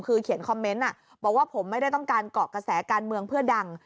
คือเขียนคอมเมนต์บอกว่าผมไม่ได้ต้องการเกาะกระแสการเมืองเพื่อดัง